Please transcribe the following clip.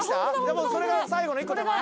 もうそれが最後の１個手前？